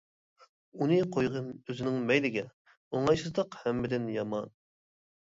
ئۇنى قويغىن ئۆزنىڭ مەيلىگە، ئوڭايسىزلىق ھەممىدىن يامان.